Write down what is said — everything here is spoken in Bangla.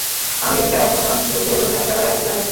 আমেরিকা এখনও যুদ্ধে যোগদানের ব্যাপারে আপত্তি জানিয়েছে।